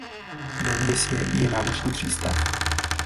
Ve městě je námořní přístav.